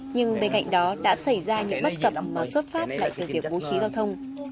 nhưng bên cạnh đó đã xảy ra những bất cập mà xuất phát lại từ việc bố trí giao thông